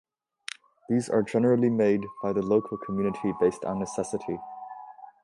These are generally made by the local community based on necessity.